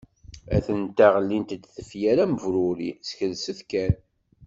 Atent-a ɣellint-d tefyar am ubruri, skelset kan!